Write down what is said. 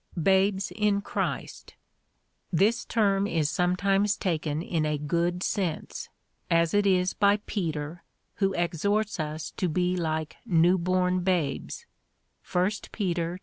Babes in Christ. This term is sometimes taken in a ffood sense, as it is by Peter, who exhorts us to be like new born babes, (1 Peter ii.